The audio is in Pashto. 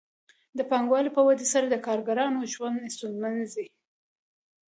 د پانګوال په ودې سره د کارګرانو ژوند ستونزمنېږي